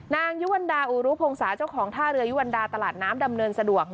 นางยุวรรณดาอุรุพงศาเจ้าของท่าเรือยุวรรดาตลาดน้ำดำเนินสะดวก